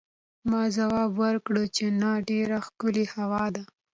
ما ځواب ورکړ چې نه، ډېره ښکلې هوا ده.